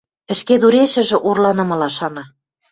Ӹшкедурешӹжӹ орланымыла шана: